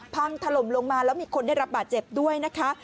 พังถล่มลงมาแล้วมีคนได้รับบาดเจ็บด้วยนะคะ